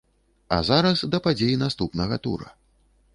А зараз да падзей наступнага тура.